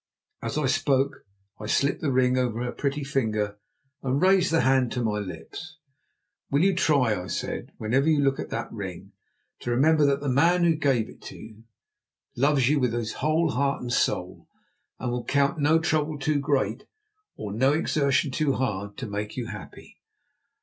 As I spoke I slipped the ring over her pretty ringer and raised the hand to my lips. "Will you try," I said, "whenever you look at that ring, to remember that the man who gave it to you loves you with his whole heart and soul, and will count no trouble too great, or no exertion too hard, to make you happy?"